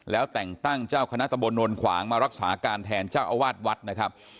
แล้วแต่งตั้งเจ้าคณะตำบลนวลขวางมารักษาการแทนเจ้าอาวาสวัดนะครับ